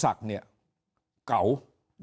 ถ้าท่านผู้ชมติดตามข่าวสาร